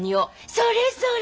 それそれ！